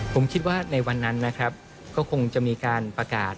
ผมคิดว่าในวันนั้นนะครับก็คงจะมีการประกาศ